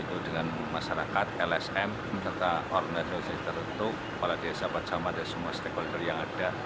itu dengan masyarakat lsm serta organisasi tertentu kepala desa bersama dan semua stakeholder yang ada